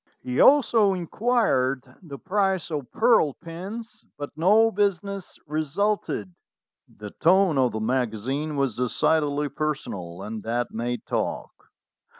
He also inquired the price of pearl pins, but no business resulted." The tone of the magazine was decidedly personal, and that made talk.